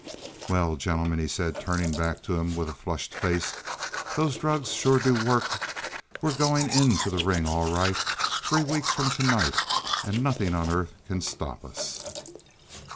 "Well, gentlemen," he said, turning back to them with flushed face, "those drugs sure do work. We're going into the ring all right, three weeks from to night, and nothing on earth can stop us."